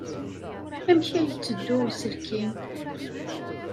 Amek ay yetteddu uselkim?